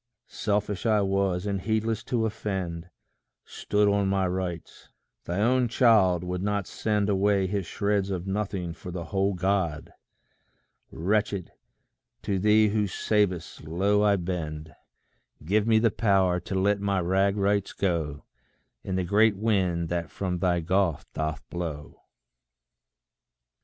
Selfish I was, and heedless to offend; Stood on my rights. Thy own child would not send Away his shreds of nothing for the whole God! Wretched, to thee who savest, low I bend: Give me the power to let my rag rights go In the great wind that from thy gulf doth blow.